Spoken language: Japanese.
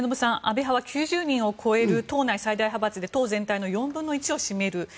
末延さん、安倍派は９０人を超える党内最大派閥で党全体の４分の１を占めます。